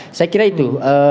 ya saya kira itu